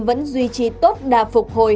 vẫn duy trì tốt đà phục hồi